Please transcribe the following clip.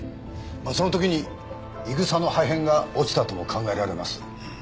まあその時にイグサの破片が落ちたとも考えられます。